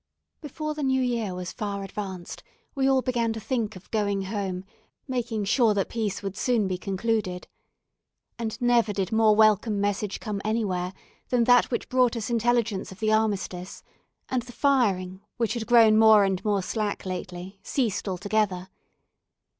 Before the New Year was far advanced we all began to think of going home, making sure that peace would soon be concluded. And never did more welcome message come anywhere than that which brought us intelligence of the armistice, and the firing, which had grown more and more slack lately, ceased altogether.